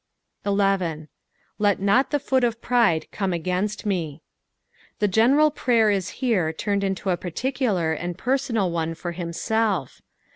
Jl. " Let not tht foot of pride come /igainst me." The general prayer is here turned into a particular and personal one for himself.